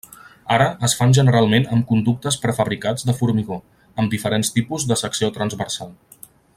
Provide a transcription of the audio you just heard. Ara es fan generalment amb conductes prefabricats de formigó, amb diferents tipus de secció transversal.